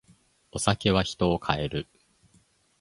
お酒は人を変える。